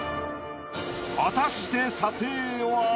果たして査定は？